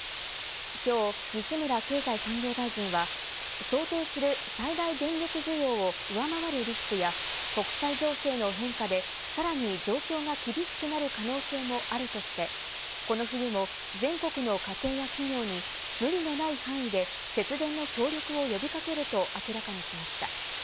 今日、西村経済産業大臣は想定する最大電力需要を上回るリスクや、国際情勢の変化でさらに状況が厳しくなる可能性もあるとして、この冬も全国の家庭や企業に無理のない範囲で節電の協力を呼びかけると明らかにしました。